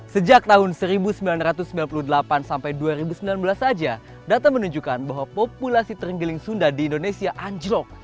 sejak tahun seribu sembilan ratus sembilan puluh delapan sampai dua ribu sembilan belas saja data menunjukkan bahwa populasi terenggiling sunda di indonesia anjlok